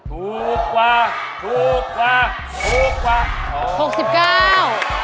ถูกกว่าถูกกว่าถูกกว่า